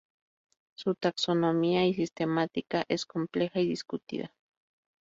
Su taxonomía y sistemática es compleja y discutida.